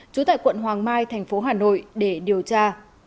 trú tại quận hoàng mai thành phố hà nội để điều tra